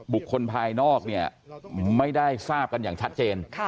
บุคคลภายนอกเนี่ยไม่ได้ทราบกันอย่างชัดเจน